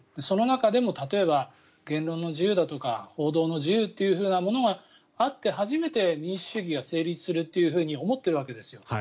その中でも例えば、言論の自由だとか報道の自由というものがあって初めて民主主義が成立すると思っているわけですよ。